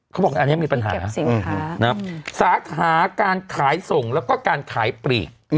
เขาบอกอันนี้มีปัญหาสินค้าสาขาการขายส่งแล้วก็การขายปลีก